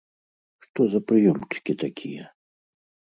Што за прыёмчыкі такія?